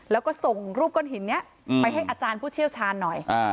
แล้วก็ส่งรูปก้อนหินนี้ไปให้อาจารย์ผู้เชี่ยวชาญหน่อย